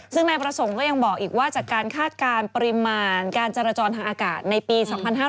ซึ่งนายประสงค์ก็ยังบอกอีกว่าจากการคาดการณ์ปริมาณการจราจรทางอากาศในปี๒๕๕๙